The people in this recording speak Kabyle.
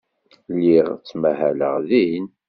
Lliɣ ttmahaleɣ din.